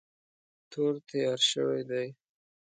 تور تیار شوی دی.